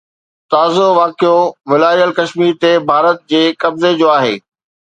تازو واقعو والاريل ڪشمير تي ڀارت جي قبضي جو آهي.